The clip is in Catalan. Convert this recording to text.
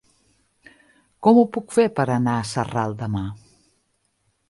Com ho puc fer per anar a Sarral demà?